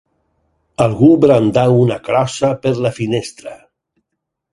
Algú brandà una crossa per la finestra